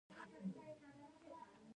کریسمس هم هلته لمانځل کیږي.